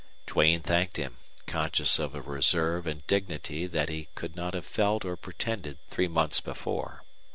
Duane thanked him, conscious of a reserve and dignity that he could not have felt or pretended three months before.